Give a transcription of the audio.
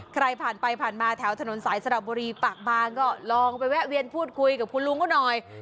ใครผ่านไปผ่านมาแถวถนนสายสระบุรีปากบางก็ลองไปแวะเวียนพูดคุยกับคุณลุงเขาหน่อย